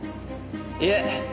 いえ。